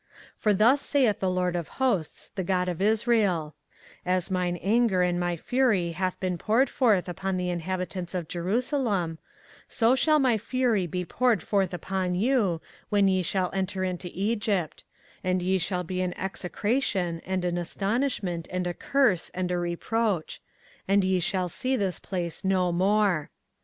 24:042:018 For thus saith the LORD of hosts, the God of Israel; As mine anger and my fury hath been poured forth upon the inhabitants of Jerusalem; so shall my fury be poured forth upon you, when ye shall enter into Egypt: and ye shall be an execration, and an astonishment, and a curse, and a reproach; and ye shall see this place no more.